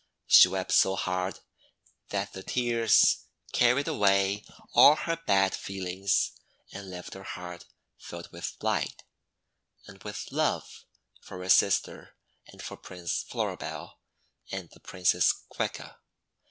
She wept so hard that the tears car ried away all her bad feelings and left her heart 264 THE WONDER GARDEN filled with light, and with love for her sister, and for Prince Floribel, and the Princess Coeca.